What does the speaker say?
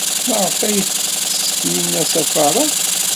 Maɣef ay tettess Taninna asafar-a?